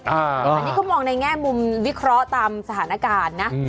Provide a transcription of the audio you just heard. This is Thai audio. อันนี้ก็มองในแง่มุมวิเคราะห์ตามสถานการณ์นะ